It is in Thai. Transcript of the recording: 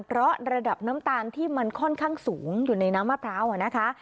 เพราะระดับน้ำตาลที่มันค่อนข้างสูงอยู่ในน้ำมะพร้าวนะคะ